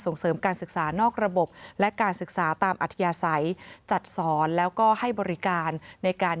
เสริมการศึกษานอกระบบและการศึกษาตามอัธยาศัยจัดสอนแล้วก็ให้บริการในการ